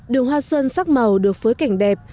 đường hoa xuân sắc màu được phối cảnh đẹp